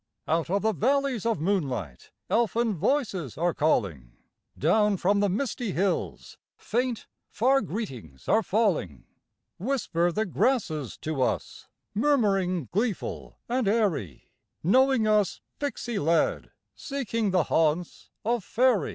Out of the valleys of moonlight elfin voices are calling ; Down from the misty hills faint, far greetings are falling ; Whisper the grasses to us, murmuring gleeful and airy, Knowing us pixy led, seeking the haunts of faery.